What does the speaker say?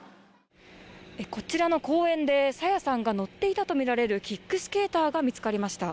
こちらの公園で、朝芽さんが乗っていたとみられるキックスケーターが見つかりました。